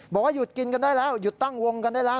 บอกว่าหยุดกินกันได้แล้วหยุดตั้งวงกันได้แล้ว